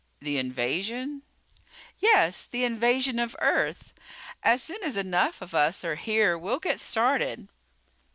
"The invasion?" "Yes, the invasion of Earth. As soon as enough of us are here we'll get started."